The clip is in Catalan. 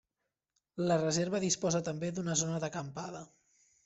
La reserva disposa també d'una zona d'acampada.